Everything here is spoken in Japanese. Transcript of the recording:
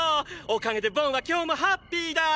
おかげでボンは今日もハッピーだ！